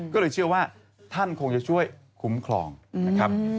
ก็เลยเชื่อว่าท่านคงจะช่วยคุ้มครองนะครับ